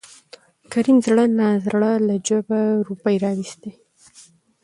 کريم زړه نازړه له جوبه روپۍ راوېستې.